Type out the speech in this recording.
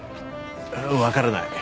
わからない。